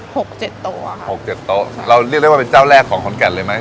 หกเจ็ดโต๊ะหกเจ็ดโต๊ะเราเรียกได้ว่าเป็นเจ้าแรกของขอนแก่นเลยไหม